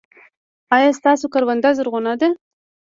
ایا ستاسو کرونده زرغونه ده؟